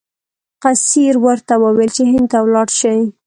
قیصر ورته وویل چې هند ته ولاړ شي.